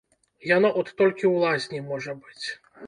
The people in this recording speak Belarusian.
Яно от толькі ў лазні можа быць.